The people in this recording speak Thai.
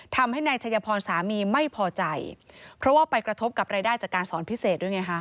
ทำให้นายชัยพรสามีไม่พอใจเพราะว่าไปกระทบกับรายได้จากการสอนพิเศษด้วยไงฮะ